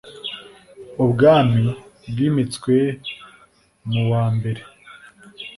Ubwami bwimitswe mu wambere